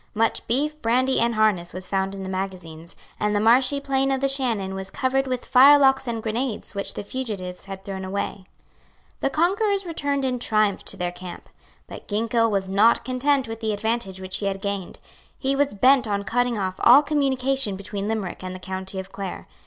Much beef, brandy and harness was found in the magazines; and the marshy plain of the Shannon was covered with firelocks and grenades which the fugitives had thrown away. The conquerors returned in triumph to their camp. But Ginkell was not content with the advantage which he had gained. He was bent on cutting off all communication between Limerick and the county of Clare.